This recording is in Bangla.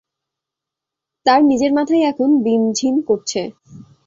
তার নিজের মাথাই এখন বিমঝিম করছে।